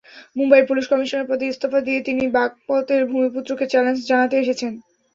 মুম্বাইয়ের police commissioner পদে ইস্তফা দিয়ে তিনি বাগপতের ভূমিপুত্রকে চ্যালেঞ্জ জানাতে এসেছেন।